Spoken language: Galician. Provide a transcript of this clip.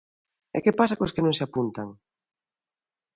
¿E que pasa cos que non se apuntan?